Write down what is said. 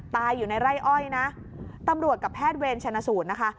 ตายอยู่ในไร่อ้อยนะตำรวจกับแพทย์เวรชนะสูตรนะคะ